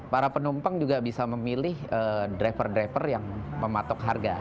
para penumpang juga bisa memilih driver driver yang mematok harga